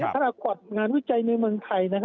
ประควัตงานวิจัยในเมืองไทย